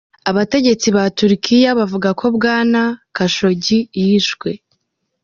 Abategetsi ba Turukiya bavuga ko Bwana Khashoggi yishwe.